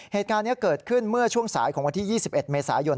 เหตุการณ์นี้เกิดขึ้นเมื่อช่วงสายของวันที่๒๑เมษายน